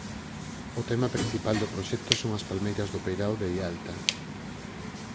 O tema principal do proxecto son as palmeiras do peirao de Ialta.